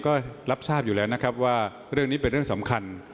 ก็รับทราบอยู่แล้วนะครับว่าเรื่องนี้เป็นเรื่องสำคัญ